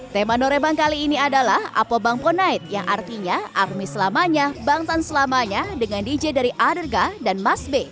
tema norebang kali ini adalah appo bangpo night yang artinya army selamanya bangtan selamanya dengan dj dari otherga dan mas b